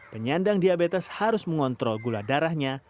penyandang diabetes harus mengontrol gula darahnya